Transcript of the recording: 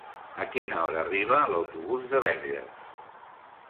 A quina hora arriba l'autobús de Verges?